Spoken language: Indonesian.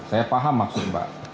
saya paham maksud mbak